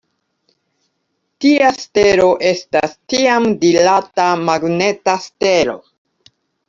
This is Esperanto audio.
Tia stelo estas tiam dirata magneta stelo.